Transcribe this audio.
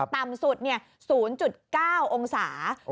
ต่ำสุด๐๙องศา